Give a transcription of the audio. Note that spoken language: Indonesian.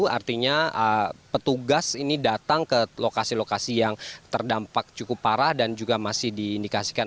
artinya petugas ini datang ke lokasi lokasi yang terdampak cukup parah dan juga masih diindikasikan